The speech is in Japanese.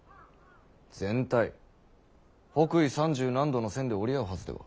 北緯三十何度の線で折り合うはずでは？